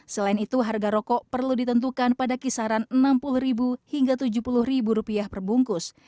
selain itu harga rokok perlu ditentukan pada kisaran rp enam puluh hingga rp tujuh puluh perbungkus